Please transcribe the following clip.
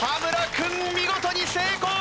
君見事に成功！